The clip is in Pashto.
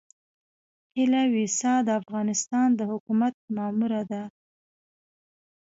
هيله ويسا د افغانستان د حکومت ماموره ده.